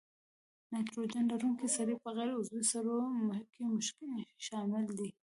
نایتروجن لرونکي سرې په غیر عضوي سرو کې شامل دي.